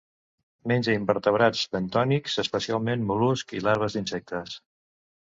Menja invertebrats bentònics, especialment mol·luscs i larves d'insectes.